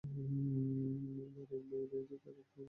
তার এক ভাই রয়েছে, তার নাম অ্যাপোলো।